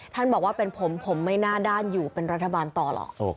บอกว่าเป็นผมผมไม่น่าด้านอยู่เป็นรัฐบาลต่อหรอก